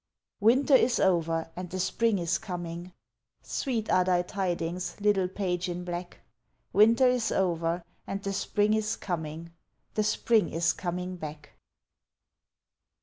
"Winter is over and the spring is coming!" Sweet are thy tidings, little page in black "Winter is over and the spring is coming The spring is coming back!"